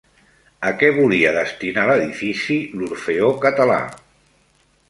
A què volia destinar l'edifici l'Orfeó Català?